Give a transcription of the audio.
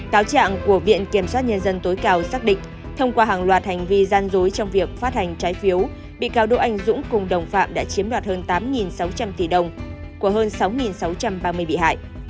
cáo trạng của viện kiểm soát nhân dân tối cao xác định thông qua hàng loạt hành vi gian dối trong việc phát hành trái phiếu bị cáo đỗ anh dũng cùng đồng phạm đã chiếm đoạt hơn tám sáu trăm linh tỷ đồng của hơn sáu sáu trăm ba mươi bị hại